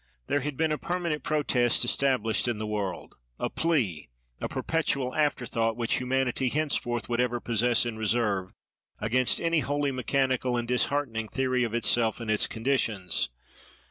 There had been a permanent protest established in the world, a plea, a perpetual after thought, which humanity henceforth would ever possess in reserve, against any wholly mechanical and disheartening theory of itself and its conditions.